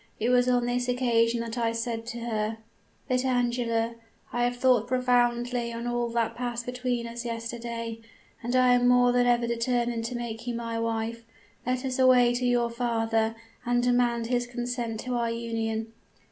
It was on this occasion that I said to her: "'Vitangela, I have thought profoundly on all that passed between us yesterday; and I am more than ever determined to make you my wife. Let us away to your father, and demand his consent to our union.'